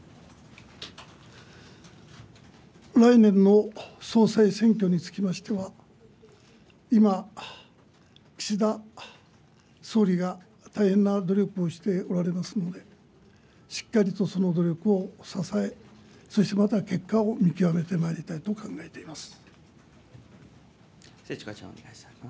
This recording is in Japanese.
来年の総裁選挙につきましては、今、岸田総理が大変な努力をしておられますので、しっかりとその努力を支え、そしてまた結果を見極めてまいりたいと考えています。